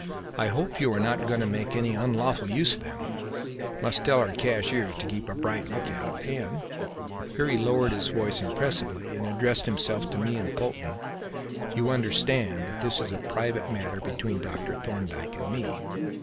I hope you are not going to make any unlawful use of them must tell our cashiers to keep a bright look out; and" here he lowered his voice impressively and addressed himself to me and Polton "you understand that this is a private matter between Dr. Thorndyke and me.